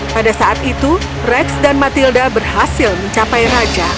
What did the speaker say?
pada saat itu rex dan matilda berhasil mencapai raja